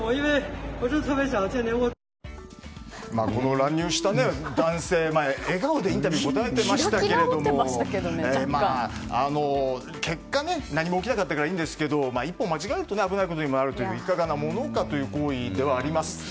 乱入した男性は笑顔でインタビューに答えていましたけれども結果、何も起きなかったからいいんですけど一歩間違うと危ないことにもなるのでいかがなものかという行為ではあります。